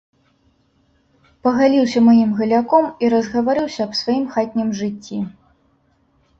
Пагаліўся маім галяком і разгаварыўся аб сваім хатнім жыцці.